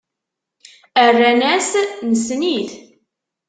Rran-as: Nessen-it.